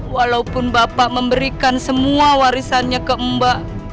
walaupun bapak memberikan semua warisannya ke mbak